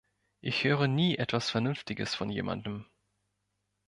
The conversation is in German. Ich höre nie etwas Vernünftiges von jemandem..